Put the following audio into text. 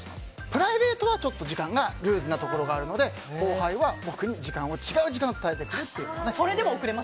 プライベートはちょっと時間にルーズなところがあるので後輩は僕に違う時間を伝えてくるっていう。